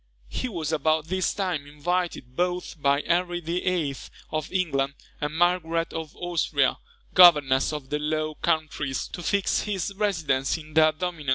He was about this time invited, both by Henry VIII. of England, and Margaret of Austria, governess of the Low Countries, to fix his residence in their dominions.